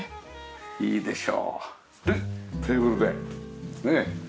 いいでしょう。という事でねえ。